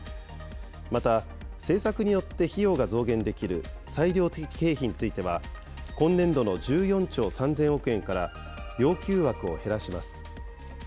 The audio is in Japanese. また、政策によって費用が増減できる裁量的経費については、今年度の１４兆３０００億円から要求枠を減らします。